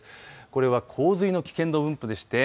これは洪水の危険度分布でして